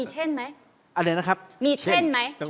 เช่นที่ไหนมั้ยที่พร้อมมีเช่นมั้ย